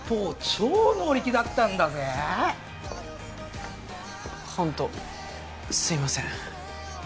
超乗り気だったんだぜホントすいません